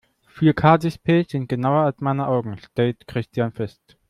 Vier-K-Displays sind genauer als meine Augen, stellt Christian fest.